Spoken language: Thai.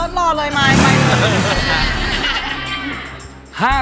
สตาร์ทรอดเลยมายไปเลย